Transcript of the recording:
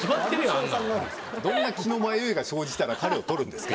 あんなんどんな気の迷いが生じたら彼を取るんですか？